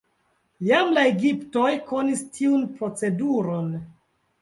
Jam la egiptoj konis tiun proceduron.